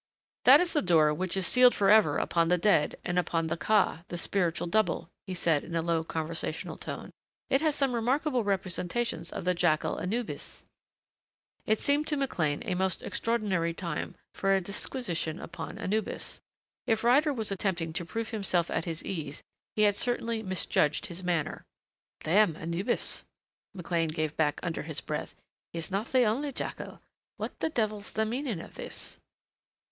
"That is the door which is sealed forever upon the dead, and upon the Ka, the spiritual double," he said in a low conversational tone. "It has some remarkable representations of the jackal Anubis " It seemed to McLean a most extraordinary time for a disquisition upon Anubis. If Ryder was attempting to prove himself at his ease he had certainly misjudged his manner. "Damn Anubis," McLean gave back under his breath. "He's not the only jackal What the devil's the meaning of this?"